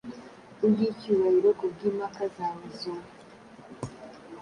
Kubwicyubahiro kubwimpaka zawe zoe